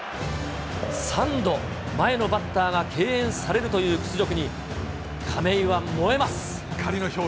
３度、前のバッターが敬遠されるという屈辱に、亀井は燃えます。